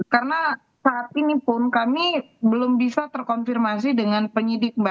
karena saat ini pun kami belum bisa terkonfirmasi dengan penyidik